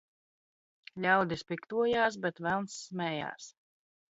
?audis piktoj?s, bet velns sm?j?s.